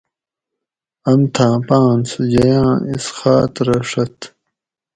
امتھاۤں پاۤنس ییاۤں اِسخاۤت رہ ڛۤت